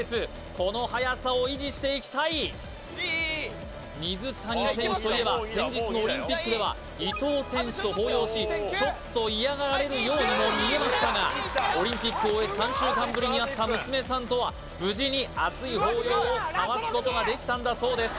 この速さを維持していきたい水谷選手といえば先日のオリンピックでは伊藤選手と抱擁しちょっと嫌がられるようにも見えましたがオリンピックを終え３週間ぶりに会った娘さんとは無事に熱い抱擁を交わすことができたんだそうです